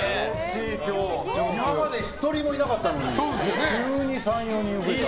今まで１人もいなかったのに急に３４人増えた。